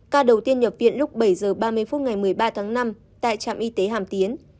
ca đầu tiên nhập viện lúc bảy h ba mươi phút ngày một mươi ba tháng năm tại trạm y tế hàm tiến